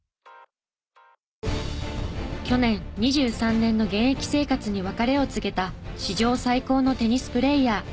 去年２３年の現役生活に別れを告げた史上最高のテニスプレーヤー。